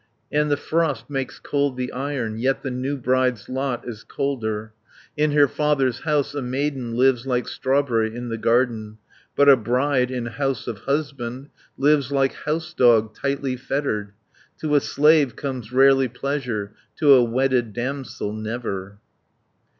And the frost makes cold the iron, Yet the new bride's lot is colder. In her father's house a maiden Lives like strawberry in the garden, But a bride in house of husband, Lives like house dog tightly fettered. To a slave comes rarely pleasure; To a wedded damsel never.'"